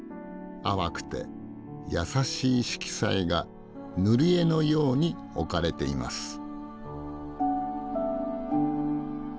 淡くて優しい色彩が塗り絵のように置かれています。